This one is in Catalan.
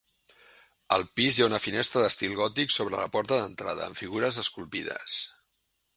Al pis hi ha una finestra d'estil gòtic sobre la porta d'entrada, amb figures esculpides.